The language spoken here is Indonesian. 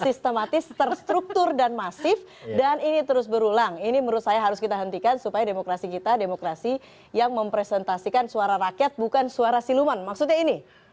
sistematis terstruktur dan masif dan ini terus berulang ini menurut saya harus kita hentikan supaya demokrasi kita demokrasi yang mempresentasikan suara rakyat bukan suara siluman maksudnya ini